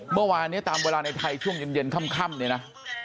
เมื่อวานนี้ตามเวลาในไทยช่วงเย็นค่ำเนี่ยนะ